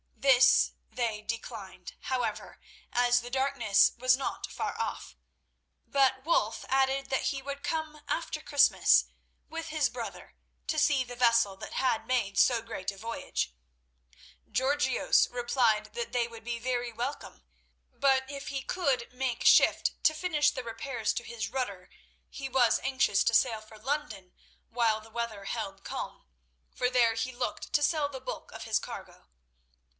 This they declined, however, as the darkness was not far off; but Wulf added that he would come after Christmas with his brother to see the vessel that had made so great a voyage. Georgios replied that they would be very welcome, but if he could make shift to finish the repairs to his rudder, he was anxious to sail for London while the weather held calm, for there he looked to sell the bulk of his cargo.